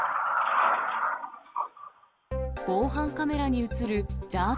防犯カメラに写るジャージ